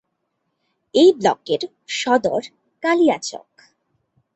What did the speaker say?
এই ব্লকের সদর কালিয়াচক।